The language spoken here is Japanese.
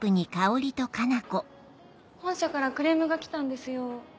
本社からクレームが来たんですよ。